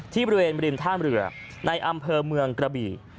ที่บริเวณริมท่ามเรือในอำเภอเมืองกระบี่